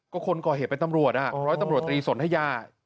ก็คนก่อเหตุเป็นตำรวจเพราะว่าตำรวจตีสนให้ย่า